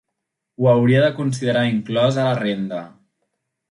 Ho hauria de considerar inclòs a la renda.